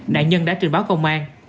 nạn nhân đã trình báo công an